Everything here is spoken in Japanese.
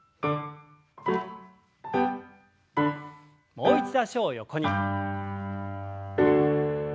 もう一度脚を横に。